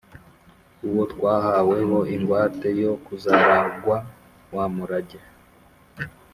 Uwo twahaweho ingwate yo kuzaragwa wa murage,